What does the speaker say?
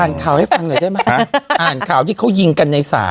ข่าวให้ฟังหน่อยได้ไหมคะอ่านข่าวที่เขายิงกันในศาล